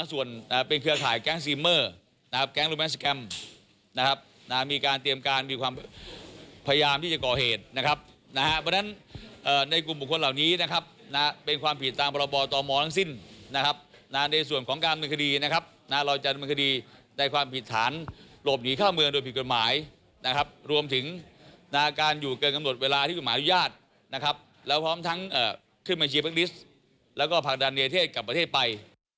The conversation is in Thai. รวมถึงหน้าการอยู่เกินกำหนดเวลาที่คุณหมายอนุญาตแล้วพร้อมทั้งขึ้นมาเชียบฮักลิสต์แล้วก็ผ่านดันเนียเทศกลับประเทศไป